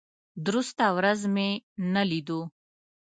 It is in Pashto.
درسته ورځ مې نه لیدو.